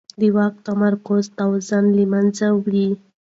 د واک تمرکز توازن له منځه وړي